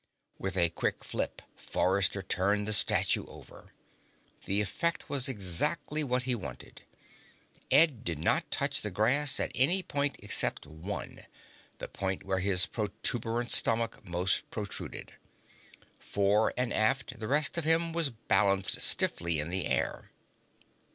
With a quick flip, Forrester turned the statue over. The effect was exactly what he wanted. Ed did not touch the grass at any point except one: the point where his protuberant stomach most protruded. Fore and aft, the rest of him was balanced stiffly in the air.